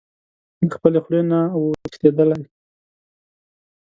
له خپلې خولې نه و تښتېدلی.